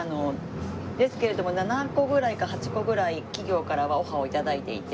ですけれども７個ぐらいか８個ぐらい企業からはオファーを頂いていて。